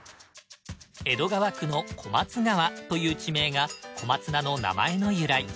江戸川区の小松川という地名が小松菜の名前の由来。